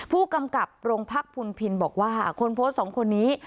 ผู้กำกับโรงพักพุนพินบอกว่าคนโพสต์สองคนนี้